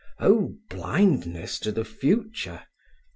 Oh, blindness to the future!